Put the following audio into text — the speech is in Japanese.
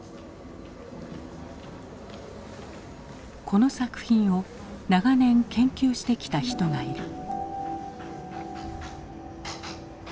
この作品を長年研究してきた人がいる。